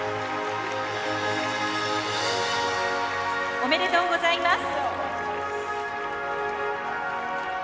おめでとうございます。